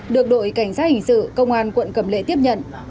được đội cảnh sát hình sự công an quận cầm lệ tiếp nhận